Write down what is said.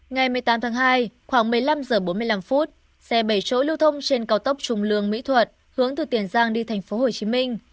ngày một mươi tám tháng hai khoảng một mươi năm h bốn mươi năm xe bảy chỗ lưu thông trên cao tốc trung lương mỹ thuận hướng từ tiền giang đi thành phố hồ chí minh